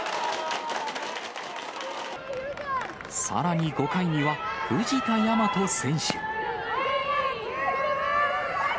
さらに５回には、藤田倭選手。